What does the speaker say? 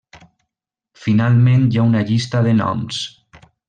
Finalment hi ha una llista de noms.